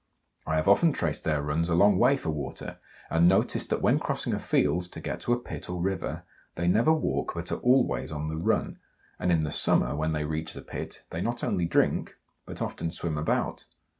I have often traced their runs a long way for water, and noticed that when crossing a field to get to a pit or river they never walk, but are always on the run; and in the summer, when they reach the pit, they not only drink, but often swim about.